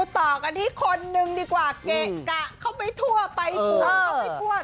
ต่อกันที่คนหนึ่งดีกว่าเกะกะเข้าไปทั่วไปทุกต่อ